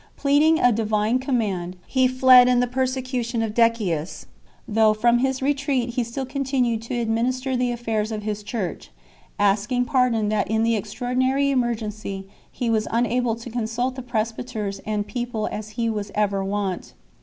Plead ing a divine command, he fled in the persecution of Decius 7 , though from his retreat he still continued to administer the affairs of his Church, asking pardon that in the extraordinary emergency he was unable to consult the presbyters and people as he was ever wont 8